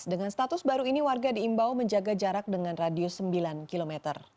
dengan status baru ini warga diimbau menjaga jarak dengan radius sembilan km